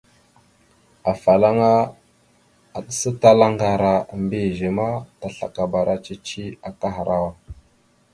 Afalaŋa aɗəsatalá ŋgar a mbiyez ma, taslakabara cici akahərawa.